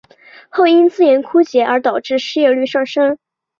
后因资源枯竭而导致失业率上升。